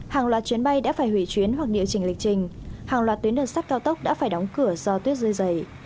hàng loạt chuyến bay đã phải hủy chuyến hoặc địa chỉnh lịch trình hàng loạt tuyến đường sắt cao tốc đã phải đóng cửa do tuyết rơi dày